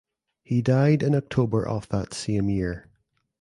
He died in October of that same year.